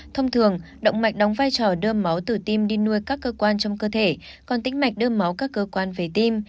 thông thường động mạch đóng vai trò đưa máu từ tim đi nuôi các cơ quan trong cơ thể còn tính mạch đưa máu các cơ quan về tim